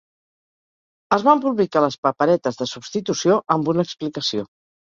Es van publicar les paperetes de substitució amb una explicació.